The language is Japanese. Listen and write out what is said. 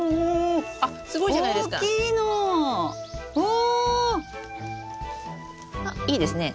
あいいですね。